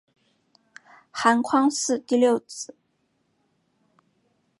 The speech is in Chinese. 韩匡嗣第六子。